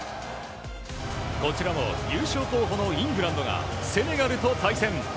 こちらも優勝候補のイングランドがセネガルと対戦。